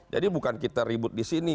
jadi bukan kita ribut di sini